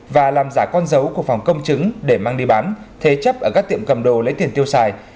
và làm giả con dấu của phòng công chứng để mang đi bán thế chấp ở các tiệm cầm đồ lấy tiền tiêu xài